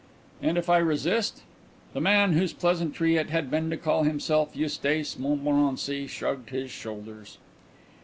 "And if I resist?" The man whose pleasantry it had been to call himself Eustace Montmorency shrugged his shoulders.